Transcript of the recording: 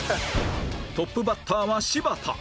トップバッターは柴田